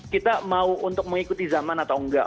kita mau untuk mengikuti zaman atau enggak